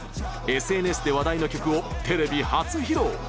ＳＮＳで話題の曲をテレビ初披露！